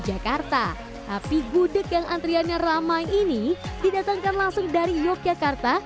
jakarta tapi gudeg yang antriannya ramai ini didatangkan langsung dari yogyakarta